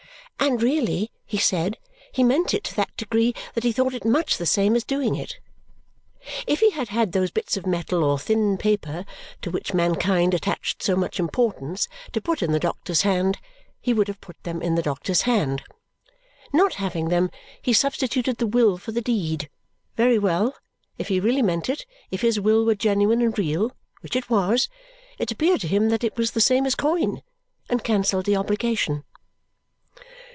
And really (he said) he meant it to that degree that he thought it much the same as doing it. If he had had those bits of metal or thin paper to which mankind attached so much importance to put in the doctor's hand, he would have put them in the doctor's hand. Not having them, he substituted the will for the deed. Very well! If he really meant it if his will were genuine and real, which it was it appeared to him that it was the same as coin, and cancelled the obligation.